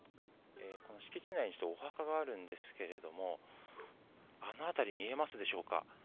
敷地内にお墓があるんですがあの辺り、見えますでしょうか。